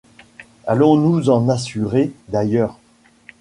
Allons nous en assurer, d’ailleurs.